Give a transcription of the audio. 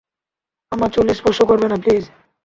আমার চুল স্পর্শ করবে না, প্লিজ।